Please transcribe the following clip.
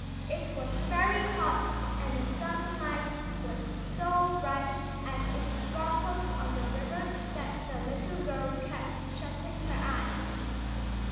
It was very hot and the sunlight was so bright as it sparkled on the river that the little girl kept shutting her eyes.